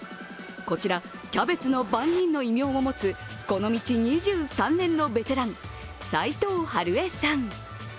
こちら、キャベツの番人の異名を持つこの道２３年のベテラン斎籐春江さん。